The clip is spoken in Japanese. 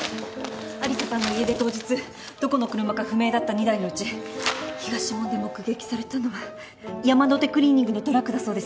有沙さんの家出当日どこの車か不明だった２台のうち東門で目撃されたのはヤマノテクリーニングのトラックだそうです。